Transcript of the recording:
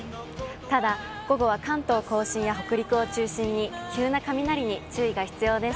ただ、午後は関東甲信や北陸を中心に、急な雷に注意が必要です。